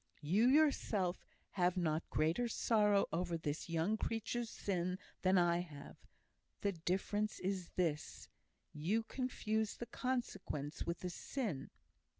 You yourself have not greater sorrow over this young creature's sin than I have: the difference is this, you confuse the consequences with the sin."